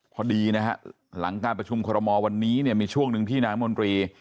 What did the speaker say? พอดีนะฮะหลังการประชุมคอรมอลวันนี้เนี่ยมีช่วงหนึ่งที่นางมนตรี